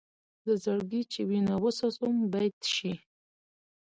له زړګي چې وینه وڅڅوم بیت شي.